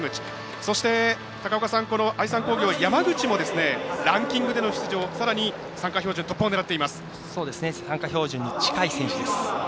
そして高岡さん愛三工業、山口もランキングでの出場参加標準を突破を狙っています。